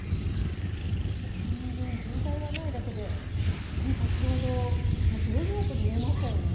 全然、渋滞がないだけで、先ほど、広々と見えましたよね。